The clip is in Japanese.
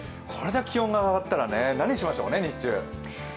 これだけ気温が上がったら、日中、何をしましょうかね。